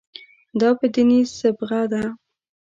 دا په دیني صبغه ده.